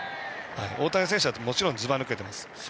大谷選手はもちろん、ずばぬけてます。